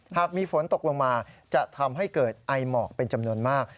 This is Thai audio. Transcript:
หากมีฝนตกลงมาจะทำให้เกิดไอหมอกเป็นจำนวนมาก